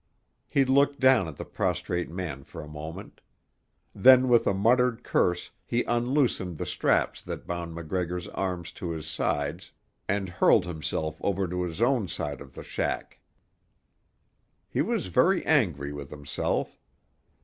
He looked down at the prostrate man for a moment. Then with a muttered curse he unloosened the straps that bound MacGregor's arms to his sides and hurled himself over to his own side of the shack. He was very angry with himself.